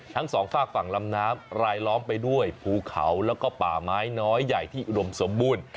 ทั้งสองฝากฝั่งลำน้ำรายล้อมไปด้วยภูเขาแล้วก็ป่าไม้น้อยใหญ่ที่อุดมสมบูรณ์